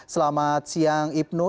selamat siang ibnu